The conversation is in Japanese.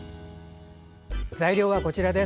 材料はこちらです。